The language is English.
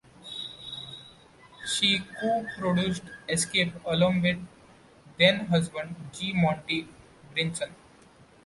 She co-produced "Escape", along with then-husband G. Monty Brinson.